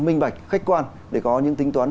minh bạch khách quan để có những tính toán